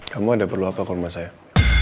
kamu ada perlu apa kalau mas sayang